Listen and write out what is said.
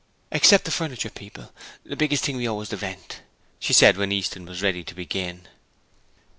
'Except the furniture people, the biggest thing we owe is the rent,' she said when Easton was ready to begin.